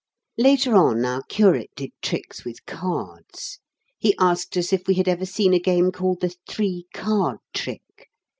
Later on, our curate did tricks with cards. He asked us if we had ever seen a game called the "Three Card Trick."